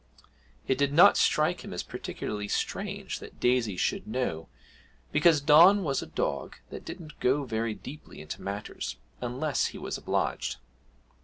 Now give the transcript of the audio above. It did not strike him as particularly strange that Daisy should know, because Don was a dog that didn't go very deeply into matters unless he was obliged.